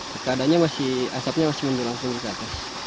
keadaannya asapnya masih mendulang ke atas